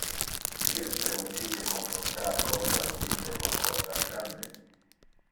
Si es permittite confrontar cosas micre con cosas grande.